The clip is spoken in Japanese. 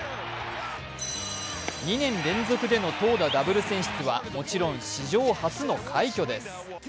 ２年連続での投打ダブル選出はもちろん史上初の快挙です。